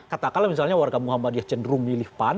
katakanlah misalnya warga muhammadiyah cenderung milih pan